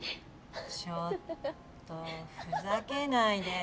ちょっとふざけないで。